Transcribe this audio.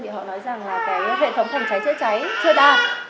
thì họ nói rằng là cái hệ thống không cháy chưa cháy chưa đạt